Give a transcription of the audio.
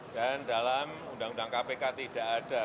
dan dalam undang undang kpk tidak ada